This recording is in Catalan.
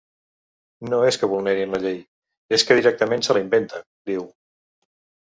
No és que vulnerin la llei, és que directament se la inventen, diu.